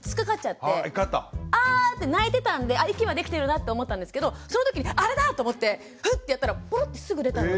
ア！って泣いてたんで息はできてるなって思ったんですけどそのときにあれだ！と思ってふっとやったらポロッてすぐ出たので。